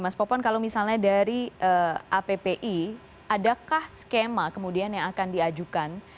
mas popon kalau misalnya dari appi adakah skema kemudian yang akan diajukan